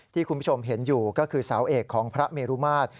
ที่คุณผู้ชมเห็นอยู่ก็คือเสาเอกของพระเมรุมาตร